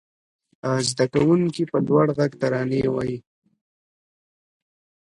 زده کوونکي په لوړ غږ ترانې وايي.